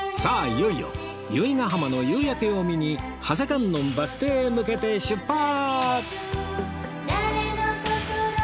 いよいよ由比ガ浜の夕焼けを見に長谷観音バス停へ向けて出発！